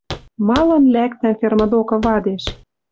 Малын лӓктӓм ферма докы вадеш?